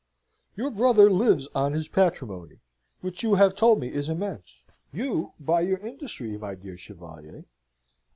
"Your brother lives on his patrimony which you have told me is immense you by your industry, my dear Chevalier."